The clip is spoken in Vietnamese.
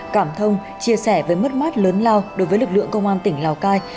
cảm thông chia sẻ với mất mát lớn lao đối với lực lượng công an tỉnh lào cai